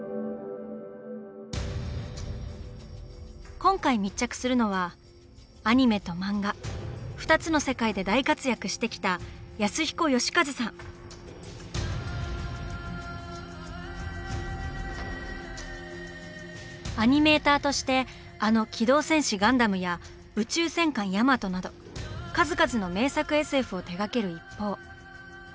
今回密着するのはアニメと漫画２つの世界で大活躍してきたアニメーターとしてあの「機動戦士ガンダム」や「宇宙戦艦ヤマト」など数々の名作ＳＦを手がける一方。